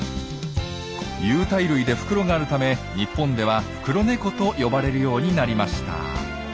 有袋類で袋があるため日本ではフクロネコと呼ばれるようになりました。